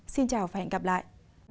xin chào và hẹn gặp lại